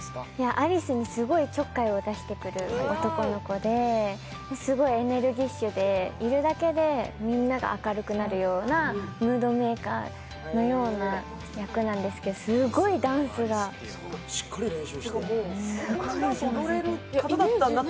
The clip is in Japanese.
有栖にすごいちょっかいを出してくる男の子ですごいエネルギッシュで、いるだけでみんなが明るくなるようなムードメーカーのような役なんですけどすごいダンスが上手で。